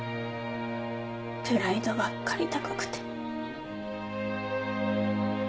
プライドばっかり高くて。